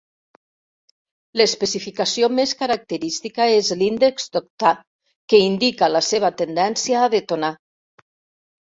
L'especificació més característica és l'índex d'octà, que indica la seva tendència a detonar.